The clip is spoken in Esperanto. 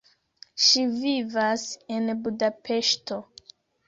Ŝi vivas en Budapeŝto.